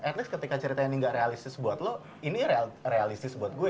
at least ketika cerita ini gak realistis buat lo ini realistis buat gue